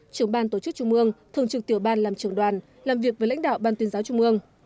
trưởng ban tổ chức trung mương thường trực tiểu ban làm trưởng đoàn làm việc với lãnh đạo ban tuyên giáo trung ương